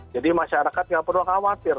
jadi masyarakat tidak perlu khawatir